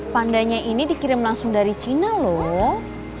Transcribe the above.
pandanya ini dikirim langsung dari cina loh